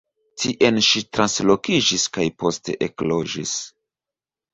Tien ŝi translokiĝis kaj poste ekloĝis.